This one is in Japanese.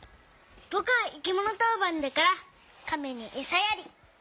ぼくはいきものとうばんだからかめにえさやり！